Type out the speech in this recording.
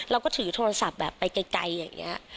เราก็ถือโทรศัพท์แบบไปไกลอย่างนี้